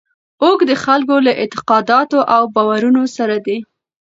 اوښ د خلکو له اعتقاداتو او باورونو سره دی.